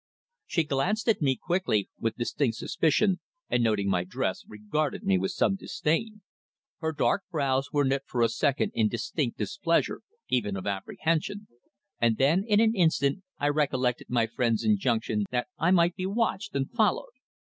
She glanced at me quickly, with distinct suspicion, and noting my dress, regarded me with some disdain. Her dark brows were knit for a second in distinct displeasure, even of apprehension, and then in an instant I recollected my friend's injunction that I might be watched and followed.